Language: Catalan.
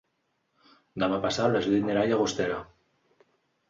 Demà passat na Judit anirà a Llagostera.